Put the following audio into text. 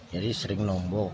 jadi sering nombok